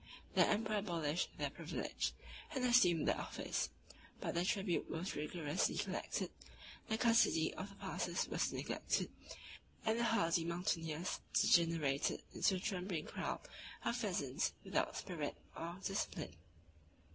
The emperor abolished their privilege and assumed their office; but the tribute was rigorously collected, the custody of the passes was neglected, and the hardy mountaineers degenerated into a trembling crowd of peasants without spirit or discipline.